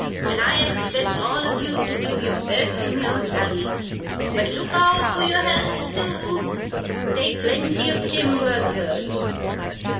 And I expect all of you to do your best in your studies. But look out for your health, too. Take plenty of gym work, girls.